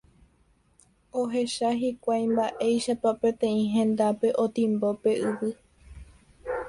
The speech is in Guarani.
Ohecha hikuái mba'éichapa peteĩ hendápe otimbo pe yvy.